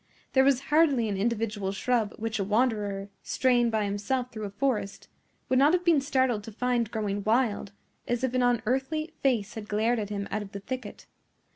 There was hardly an individual shrub which a wanderer, straying by himself through a forest, would not have been startled to find growing wild, as if an unearthly face had glared at him out of the thicket.